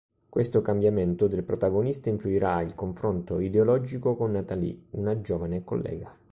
Questo cambiamento del protagonista influirà il confronto ideologico con Natalie, una giovane collega.